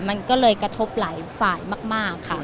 มันก็เลยกระทบหลายฝ่ายมากค่ะ